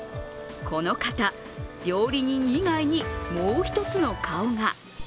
この方、料理人以外にもう一つの顔が。